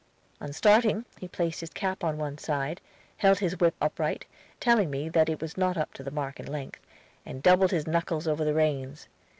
On starting he placed his cap on one side, held his whip upright, telling me that it was not up to the mark in length, and doubled his knuckles over the reins.